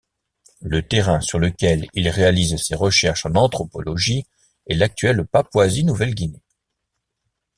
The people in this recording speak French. Le terrain sur lequel il réalise ses recherches en anthropologie est l'actuelle Papouasie-Nouvelle-Guinée.